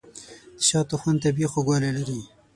د شاتو خوند طبیعي خوږوالی لري.